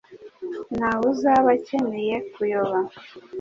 nta wuzaba akeneye kuyoba,